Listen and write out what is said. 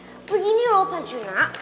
hmm begini lho pak juna